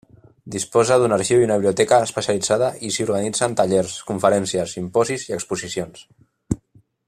Disposa d’un arxiu i una biblioteca especialitzada i s’hi organitzen tallers, conferències, simposis i exposicions.